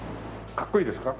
かっこいいですか？